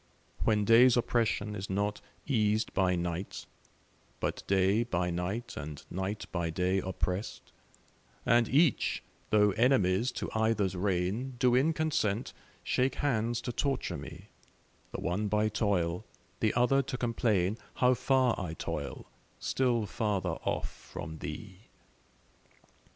When day's oppression is not eas'd by night, But day by night and night by day oppress'd, And each, though enemies to either's reign, Do in consent shake hands to torture me, The one by toil, the other to complain How far I toil, still farther off from thee.